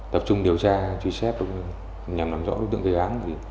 tập trung điều tra truy xét nhằm làm rõ đối tượng gây án